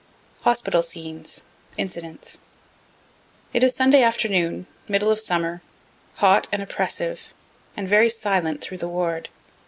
_ HOSPITAL SCENES INCIDENTS It is Sunday afternoon, middle of summer, hot and oppressive, and very silent through the ward.